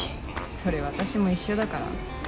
それ私も一緒だから。